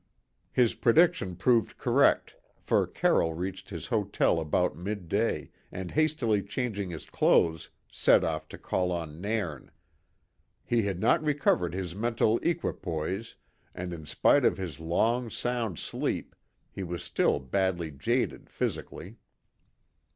His prediction proved correct, for Carroll reached his hotel about midday, and hastily changing his clothes, set off to call on Nairn. He had not recovered his mental equipoise, and in spite of his long, sound sleep, he was still badly jaded physically.